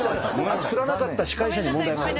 ふらなかった司会者に問題がある。